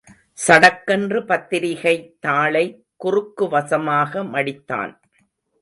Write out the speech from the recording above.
சடக்கென்று பத்திரிகைத்தாளைக் குறுக்கு வசமாக மடித்தான்.